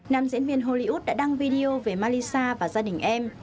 nam diễn viên hollywood đã đăng video về malisa và gia đình em